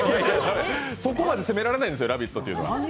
そこまで攻められないんですよ、「ラヴィット！」というのは。